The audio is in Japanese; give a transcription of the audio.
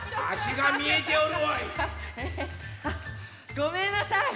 ごめんなさい。